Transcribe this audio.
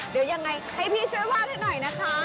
เดี๋ยวยังไงให้พี่ช่วยวาดให้หน่อยนะคะ